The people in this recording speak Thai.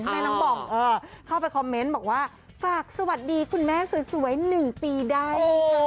แม่น้องบองเข้าไปคอมเมนต์บอกว่าฝากสวัสดีคุณแม่สวย๑ปีได้เลยค่ะ